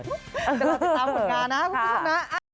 ก็ติดตามผลงานนะครับคุณผู้ชมนะ